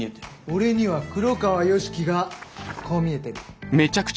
俺には黒川良樹がこう見えてる。